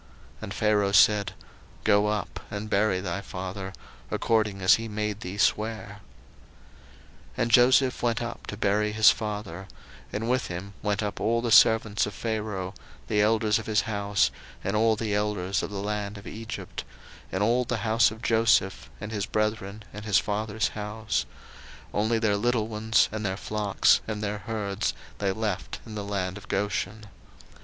01:050:006 And Pharaoh said, Go up, and bury thy father, according as he made thee swear. 01:050:007 And Joseph went up to bury his father: and with him went up all the servants of Pharaoh, the elders of his house, and all the elders of the land of Egypt, 01:050:008 And all the house of Joseph, and his brethren, and his father's house: only their little ones, and their flocks, and their herds, they left in the land of Goshen.